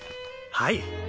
はい。